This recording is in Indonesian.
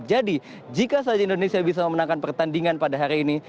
jadi jika saja indonesia bisa memenangkan pertandingan pada hari ini